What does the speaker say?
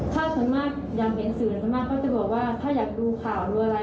ถ้าส่วนมากอยากเห็นสื่อส่วนมากเขาจะบอกว่าถ้าอยากดูข่าวดูอะไร